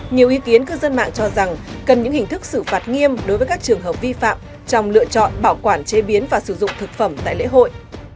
nhiều ý kiến cư dân mạng cho rằng cần những hình thức xử phạt nghiêm đối với các trường hợp vi phạm trong lựa chọn bảo quản chế biến và sử dụng thực phẩm tại lễ hội